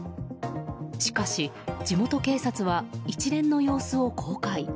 しかし、地元警察は一連の様子を公開。